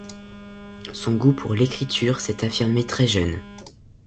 Son goût pour l'écriture s'est affirmé très jeune.